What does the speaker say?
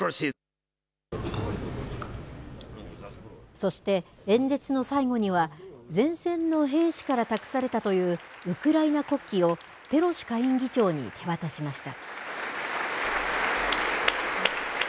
そして、演説の最後には前線の兵士から託されたというウクライナ国旗を、ペロシ下院議長に手渡しました。